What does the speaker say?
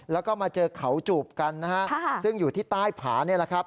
แล้วก็มาเจอเขาจูบกันนะฮะซึ่งอยู่ที่ใต้ผานี่แหละครับ